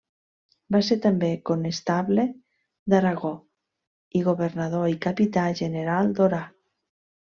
Va ser també conestable d'Aragó i governador i capità general d'Orà.